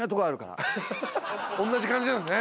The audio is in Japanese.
おんなじ感じなんですね。